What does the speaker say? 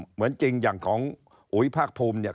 เหมือนจริงอย่างของอุ๋ยภาคภูมิเนี่ย